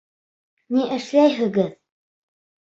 Ни эшләйһегеҙ?!